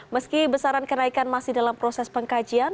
meski besaran kenaikan masih dalam proses pengkajian